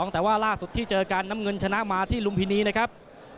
แต่ว่าล่าสุดที่เจอกันน้ำเงินชนะมาที่ลุมพินีนะครับ